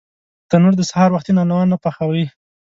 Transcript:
تنور د سهار وختي نانونه پخوي